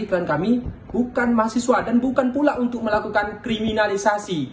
klien kami bukan mahasiswa dan bukan pula untuk melakukan kriminalisasi